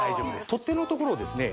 取っ手のところをですね